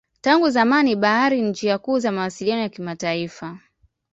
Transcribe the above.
Tangu zamani bahari ni njia kuu za mawasiliano ya kimataifa.